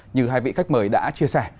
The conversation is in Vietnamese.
như hai vị khách mời đã chia sẻ